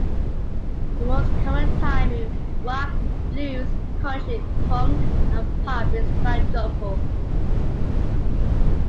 The most common time in rock, blues, country, funk, and pop is quadruple.